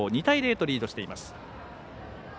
２対０とリードしています。